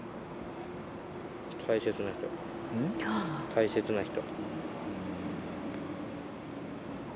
大切な人。